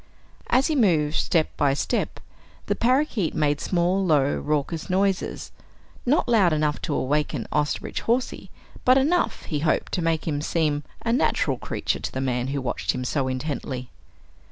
As he moved step by step, the parakeet made small low, raucous noises not loud enough to awaken Osterbridge Hawsey, but enough, he hoped, to make him seem a natural creature to the man who watched him so intently.